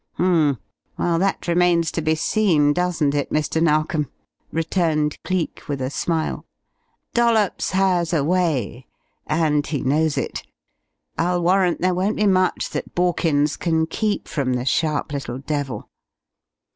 "Hmm. Well that remains to be seen, doesn't it, Mr. Narkom?" returned Cleek, with a smile. "Dollops has a way. And he knows it. I'll warrant there won't be much that Borkins can keep from the sharp little devil!